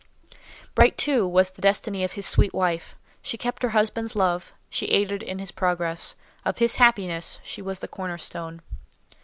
Bright, too, was the destiny of his sweet wife. She kept her husband's love, she aided in his progress—of his happiness she was the corner stone.